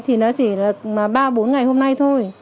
thì nó chỉ là ba bốn ngày hôm nay thôi